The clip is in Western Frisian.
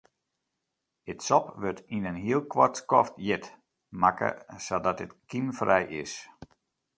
It sop wurdt yn in heel koart skoft hjit makke sadat it kymfrij is.